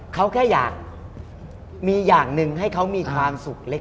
เขาแค่อยากมีอย่างหนึ่งให้เขามีความสุขเล็ก